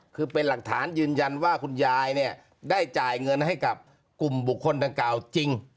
คือเป็นหลักฐานยืนยันว่าคุณยายเนี่ยได้จ่ายเงินให้กับกลุ่มบุคคลดังกล่าวจริง